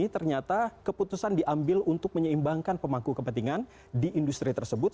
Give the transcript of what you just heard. ternyata keputusan diambil untuk menyeimbangkan pemangku kepentingan di industri tersebut